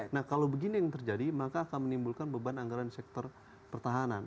nah kalau begini yang terjadi maka akan menimbulkan beban anggaran di sektor pertahanan